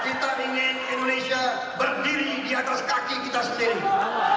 kita ingin indonesia berdiri di atas kaki kita sendiri